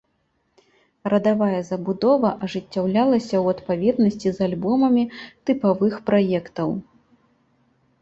Радавая забудова ажыццяўлялася ў адпаведнасці з альбомамі тыпавых праектаў.